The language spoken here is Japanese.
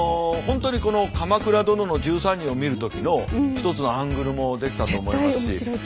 本当にこの「鎌倉殿の１３人」を見る時の一つのアングルもできたと思いますし。